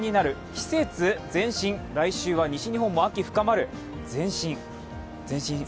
季節前進、来週は西日本も秋深まる。